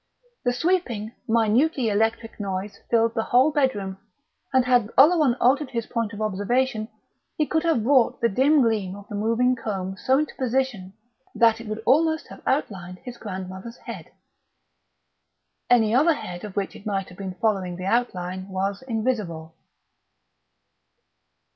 The sweeping, minutely electric noise filled the whole bedroom, and had Oleron altered his point of observation he could have brought the dim gleam of the moving comb so into position that it would almost have outlined his grandmother's head. Any other head of which it might have been following the outline was invisible.